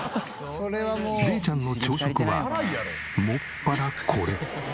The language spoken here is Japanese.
怜ちゃんの朝食はもっぱらこれ。